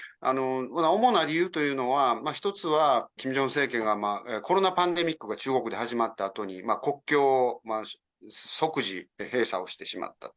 主な理由というのは、１つはキム・ジョンウン政権がコロナパンデミックが中国で始まったあとに、国境を即時閉鎖をしてしまったと。